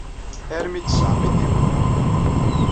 Armi d ttesɛa ay d-yeqqel.